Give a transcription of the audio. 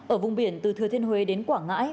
ở vùng biển từ thừa thiên huế đến quảng ngãi